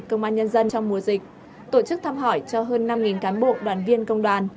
công an nhân dân trong mùa dịch tổ chức thăm hỏi cho hơn năm cán bộ đoàn viên công đoàn